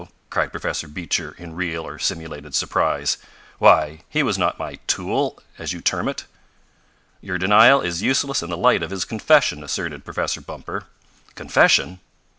cried Professor Beecher in real or simulated surprise. "Why, he was not my 'tool,' as you term it." "Your denial is useless in the light of his confession," asserted Professor Bumper. "Confession?"